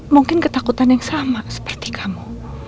mungkin ketakutan yang sama seperti kamu